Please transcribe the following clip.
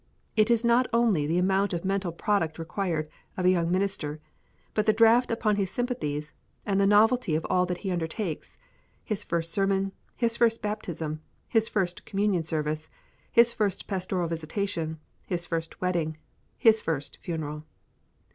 It is not only the amount of mental product required of a young minister, but the draft upon his sympathies and the novelty of all that he undertakes; his first sermon; his first baptism; his first communion season; his first pastoral visitation; his first wedding; his first funeral.